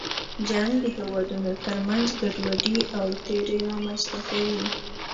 جنګ د هېوادونو تر منځ ګډوډي او تېرې رامنځته کوي.